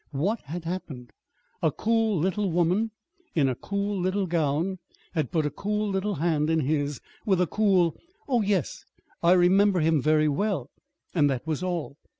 What had happened? A cool little woman in a cool little gown had put a cool little hand in his, with a cool "Oh, yes, I remember him very well." And that was all.